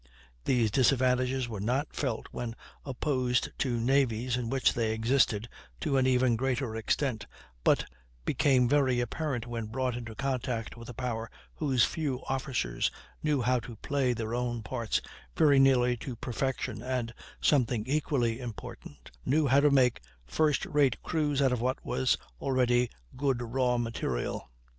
These disadvantages were not felt when opposed to navies in which they existed to an even greater extent, but became very apparent when brought into contact with a power whose few officers knew how to play their own parts very nearly to perfection, and, something equally important, knew how to make first rate crews out of what was already good raw material.